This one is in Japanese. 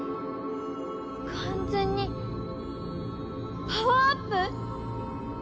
完ッ全にパワーアップ？